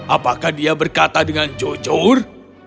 apakah dia berkata dengan jujur